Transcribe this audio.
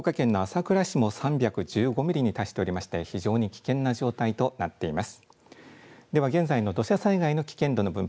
そして福岡県の朝倉市も３１５ミリに達しておりまして非常に危険な状態となっています。